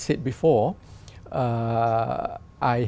để trả lời